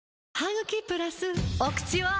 お口は！